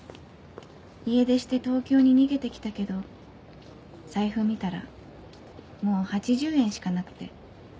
家出して東京に逃げて来たけど財布見たらもう８０円しかなくて。